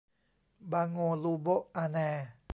บาโงลูโบ๊ะอาแน